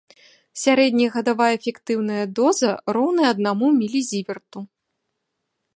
Сярэдняя гадавая эфектыўная доза роўная аднаму мілізіверту.